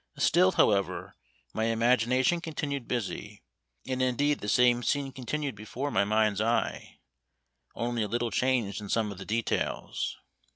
Still, however, my imagination continued busy, and indeed the same scene continued before my mind's eye, only a little changed in some of the details.